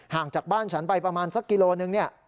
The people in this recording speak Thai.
จากบ้านฉันไปประมาณสักกิโลนึงเนี่ย